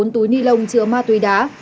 bốn túi ni lông chứa ma túy đá